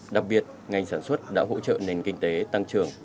đặc biệt ngành sản xuất đã hỗ trợ nền kinh tế tăng trưởng